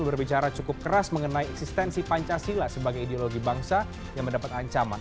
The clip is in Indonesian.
berbicara cukup keras mengenai eksistensi pancasila sebagai ideologi bangsa yang mendapat ancaman